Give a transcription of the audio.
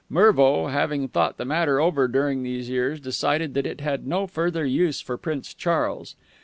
Mervo, having thought the matter over during these years, decided that it had no further use for Prince Charles.